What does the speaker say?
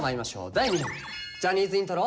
第２問ジャニーズイントロ。